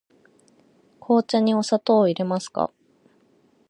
紅茶にお砂糖をいれますか。